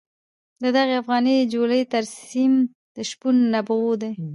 د دغې افغاني جولې ترسیم د شپون نبوغ دی.